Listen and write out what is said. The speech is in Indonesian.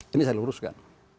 ini saya luruskan